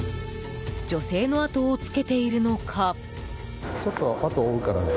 女性の後をつけているのか。